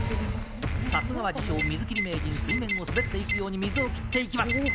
さすがは自称、水切り名人、水面を滑っていくように水を切っていきます。